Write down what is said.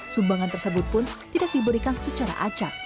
sumbangan tersebut pun tidak diberikan secara acak